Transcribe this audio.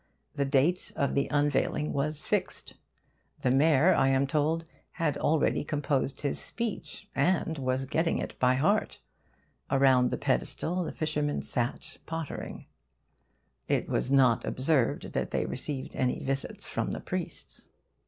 The date of the unveiling was fixed. The mayor I am told, had already composed his speech, and was getting it by heart. Around the pedestal the fishermen sat pottering. It was not observed that they received any visits from the priests.